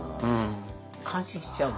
感心しちゃう。